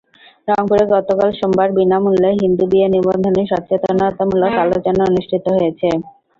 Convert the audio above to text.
রংপুরে গতকাল সোমবার বিনা মূল্যে হিন্দু বিয়ে নিবন্ধনে সচেতনতামূলক আলোচনা অনুষ্ঠিত হয়েছে।